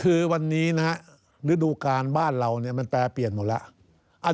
คือวันนี้นะฮะฤดูการบ้านเราเนี่ยมันแปรเปลี่ยนหมดแล้ว